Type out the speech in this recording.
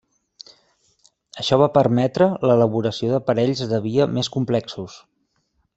Això va permetre l'elaboració d'aparells de via més complexos.